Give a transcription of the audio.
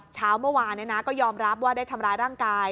เช้าเมื่อวานก็ยอมรับว่าได้ทำร้ายร่างกาย